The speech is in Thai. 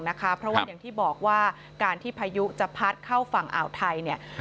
เพราะว่าอย่างที่บอกว่าการที่พายุจะพัดเข้าฝั่งอ่าวไทยเนี่ย